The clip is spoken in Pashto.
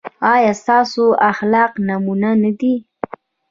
ایا ستاسو اخلاق نمونه دي؟